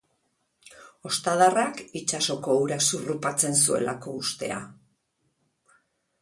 Ostadarrak itsasoko ura zurrupatzen zuelako ustea.